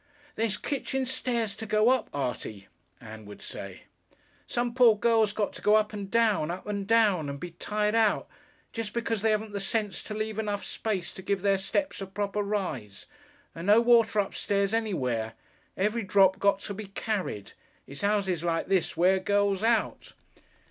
"There's kitching stairs to go up, Artie!" Ann would say. "Some poor girl's got to go up and down, up and down, and be tired out, jest because they haven't the sense to leave enough space to give their steps a proper rise and no water upstairs anywhere every drop got to be carried! It's 'ouses like this wear girls out.